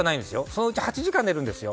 そのうち８時間寝るんですよ。